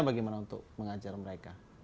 bagaimana untuk mengajar mereka